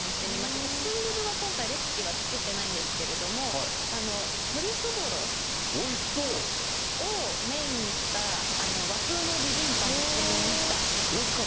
ちょっとスンドゥブは今回、レシピは作ってないんですけれども、おいしそう。をメインにした和風のビビンバにしてみました。